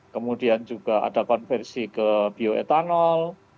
kemudian juga ada konversi ke bioetanol